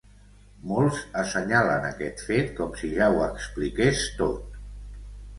Molts assenyalen aquest fet com si ja ho expliqués tot.